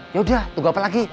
yaudah tunggu apa lagi